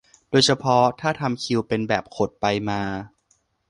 โดยเฉพาะถ้าทำคิวเป็นแบบขดไปมา